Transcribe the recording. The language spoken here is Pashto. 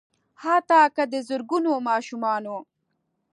حتا که د زرګونو ماشومانو